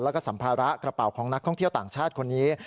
แล้วก็สัมภาระกระเป๋าของนักท่องเที่ยวต่างชาติคนนี้